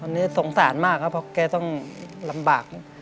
ตอนนี้สงสารมากครับเพราะแกต้องลำบาก